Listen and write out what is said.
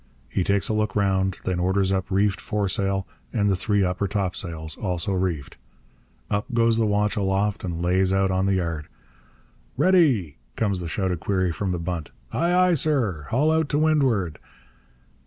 He takes a look round; then orders up reefed foresail and the three upper topsails, also reefed. Up goes the watch aloft and lays out on the yard. 'Ready?' comes the shouted query from the bunt. 'Ay, ay, sir!' 'Haul out to windward!'